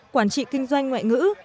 quản trị kinh doanh ngoại ngữ